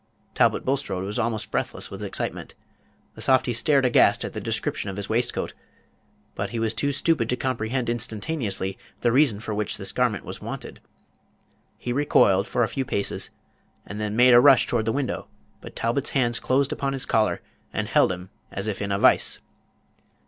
Talbot Bulstrode was almost breathless with excitement. The softy stared aghast at the description of his waistcoat, but he was too stupid to comprehend instantaneously the reason for which this garment was wanted. He recoiled for a few paces, and then made a rush toward the window; but Talbot's hands closed upon his collar, and held him as if in a vice.